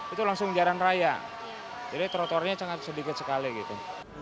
itu langsung jalan raya jadi trotoarnya sangat sedikit sekali gitu